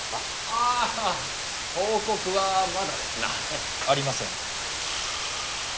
あ報告はまだですな。ありません。